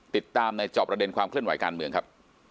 ติดตามในจอบประเด็นความเคลื่อนไหวการเมืองครับ